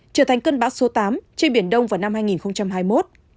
trở thành cơn bão số tám trên biển đông vào năm hai nghìn hai mươi một